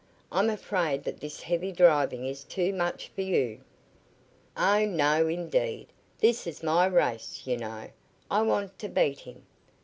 "I am afraid that this heavy driving is too much for you." "Oh, no, indeed! This is my race, you know. I want to beat him."